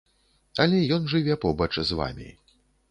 Але ён жыве побач з вамі.